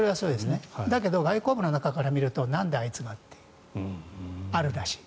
だけど外交部の中から見るとなんだ、あいつはというのがあるらしい。